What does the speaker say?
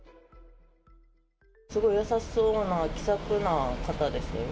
すごい優しそうな、気さくな方です。